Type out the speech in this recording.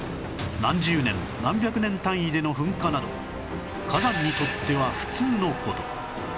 何十年何百年単位での噴火など火山にとっては普通の事